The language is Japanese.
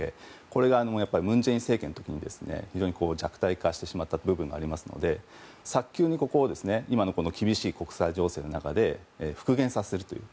これが文在寅政権の時に非常に弱体化した部分がありますので早急に、ここを今の厳しい国際情勢の中で復元させるという。